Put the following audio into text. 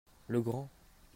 Le grand.